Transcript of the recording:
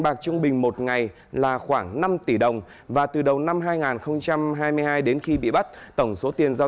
bạc trung bình một ngày là khoảng năm tỷ đồng và từ đầu năm hai nghìn hai mươi hai đến khi bị bắt tổng số tiền giao